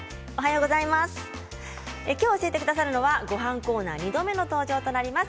今日、教えてくださるのはごはんコーナー２度目の登場となります